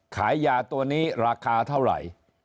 ขายยาตัวนี้ราคาเท่าไหร่